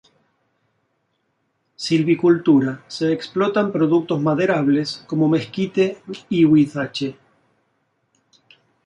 Silvicultura Se explotan productos maderables como mezquite y huizache.